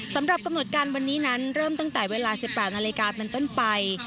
สำหรับกำหนดการวันนี้นั้นเริ่มตั้งแต่เวลา๑๘นาฬิกาเป็นต้นไป